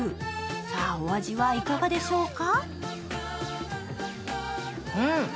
さあ、お味はいかがでしょうか？